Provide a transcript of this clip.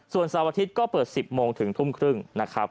ส่วนเสาร์อาทิตย์ก็เปิด๑๐โมงถึงทุ่มครึ่งนะครับ